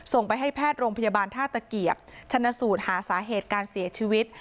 ส่งไปให้แพทย์โรงพยาบาลท่าตะเกียบชนสูตรหาสาเหตุการเสียชีวิต